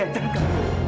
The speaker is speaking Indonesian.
jangan kamu dengar